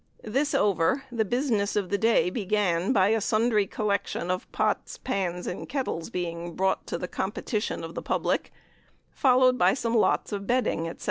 This over, the business of the day began by a sundry collection of pots, pans, and kettles being brought to the competition of the public, followed by some lots of bedding, etc.